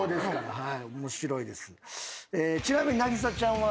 はい。